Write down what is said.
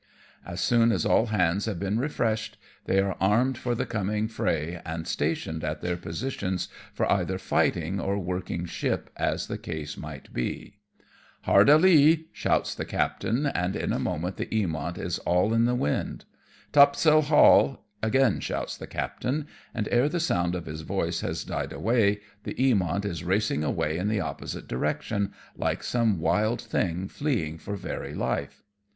As soon as all hands have been refreshed they are armed for the coming fray, and stationed at their positions for either fighting or working ship as the case might be. " Hard a lee," shouts the captain, and in a moment the Eamont is all in the wind. " Topsail haul," again shouts the captain, and ' ere the sound of his voice has died away the Eamont is racing away in the opposite direction, like some wild thing fleeing for very life.